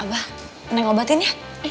abah neng obatin ya